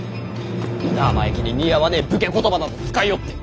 生意気に似合わねぇ武家言葉など使いおって。